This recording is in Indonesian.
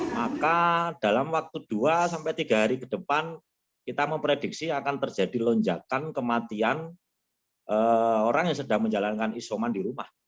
maka dalam waktu dua sampai tiga hari ke depan kita memprediksi akan terjadi lonjakan kematian orang yang sedang menjalankan isoman di rumah